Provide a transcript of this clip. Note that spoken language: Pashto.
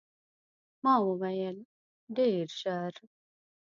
ما وویل، ډېر ژر.